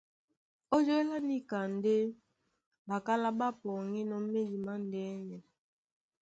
Ónyólá níka ndé ɓakálá ɓá pɔŋgínɔ̄ médi mándɛ́nɛ.